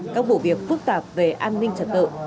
các vụ việc phức tạp về an ninh